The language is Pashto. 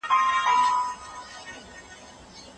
فضا د انسان د عقل لپاره د مطالعې یو لوی کتاب دی.